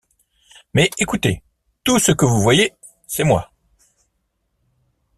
Mais écoutez: Tout ce que vous voyez, c’est moi.